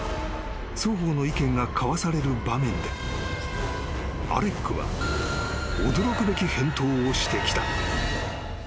［双方の意見が交わされる場面でアレックは驚くべき返答をしてきた］